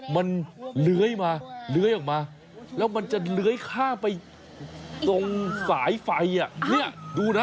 มันเลื้อยมาเลื้อยออกมาแล้วมันจะเลื้อยข้ามไปตรงสายไฟอ่ะเนี่ยดูนะ